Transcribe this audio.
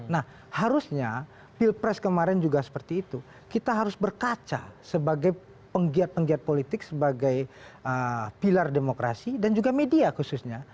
nah harusnya pilpres kemarin juga seperti itu kita harus berkaca sebagai penggiat penggiat politik sebagai pilar demokrasi dan juga media khususnya